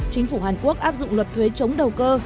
chính phủ hàn quốc áp dụng luật thuế chống đầu cơ